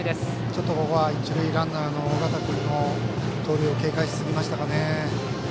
ちょっとここは一塁ランナーの緒方君の盗塁を警戒しすぎましたかね。